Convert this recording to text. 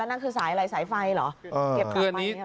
แล้วนั่นคือสายไฟหรอ